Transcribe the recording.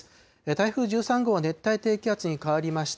台風１３号は熱帯低気圧に変わりました。